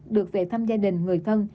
được về thăm gia đình người thân